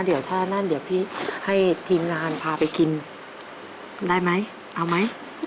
เดี๋ยวถ้านั่นเดี๋ยวพี่ให้ทีมงานพาไปกินได้ไหมเอาไหม